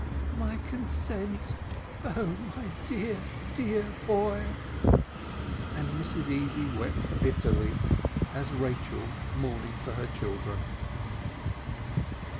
"My consent! Oh, my dear, dear boy!" and Mrs Easy wept bitterly, as Rachel mourning for her children.